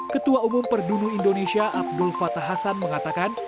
ketua umum perdunu indonesia abdul fatah hasan mengatakan